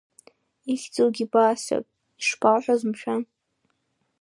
Ихьӡугьы басҳәап, ишԥалҳәаз мшәан?